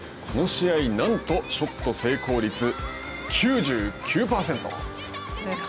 この試合なんとショット成功率９９％。